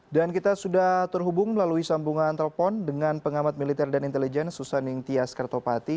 dan kita sudah terhubung melalui sambungan telepon dengan pengamat militer dan intelijen susaning tias kartopati